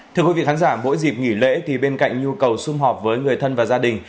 thưa quý vị khán giả mỗi dịp nghỉ lễ thì bên cạnh nhu cầu xung họp với người thân và gia đình